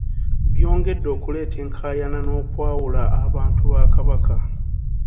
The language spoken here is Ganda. Byongedde okuleeta enkaayana n’okwawula abantu ba Kabaka.